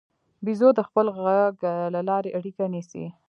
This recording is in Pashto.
بیزو د خپل غږ له لارې اړیکه نیسي.